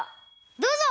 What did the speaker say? どうぞ！